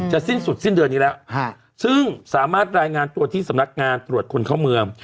สิ้นสุดสิ้นเดือนนี้แล้วซึ่งสามารถรายงานตัวที่สำนักงานตรวจคนเข้าเมือง